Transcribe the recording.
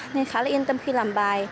nên khá là yên tâm khi làm bài